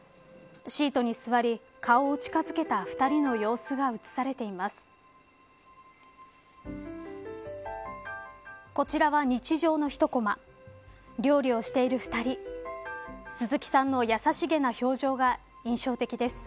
シートに座り、顔を近づけた２人の様子が映されています。